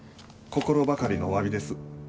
心ばかりのおわびです。